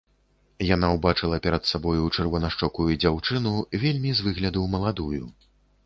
Яна ўбачыла перад сабою чырванашчокую дзяўчыну, вельмі з выгляду маладую.